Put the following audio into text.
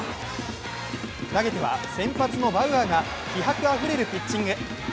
投げては先発のバウアーが気迫あふれるピッチング。